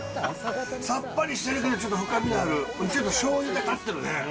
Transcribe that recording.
さっぱりしてるけど、ちょっと深みのある、しょうゆが立ってるね。